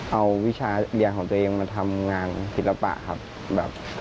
เอาวิชาเรียนของตัวเองมาทำงานศิลปะครับแบบ